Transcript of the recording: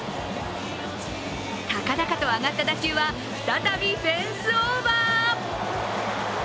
高々と上がった打球は再びフェンスオーバー。